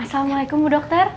assalamualaikum bu dokter